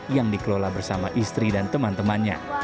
yang dikelola bersama istri dan teman temannya